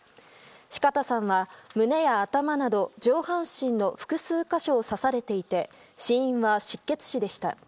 四方さんは胸や頭など上半身の複数箇所を刺されていて死因は失血死でした。